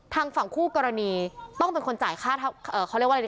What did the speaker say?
ทางฝั่งคู่กรณีต้องเป็นคนจ่ายค่าเขาเรียกว่าอะไร